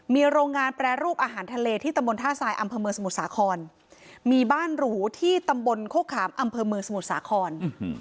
มีโรงงานแปรรูปอาหารทะเลที่ตำบลท่าทรายอำเภอเมืองสมุทรสาครมีบ้านหรูที่ตำบลโคขามอำเภอเมืองสมุทรสาคร